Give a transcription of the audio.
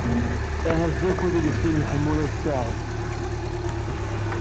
Ahat d akud ad as-nini i Ḥemmu n At Sɛid.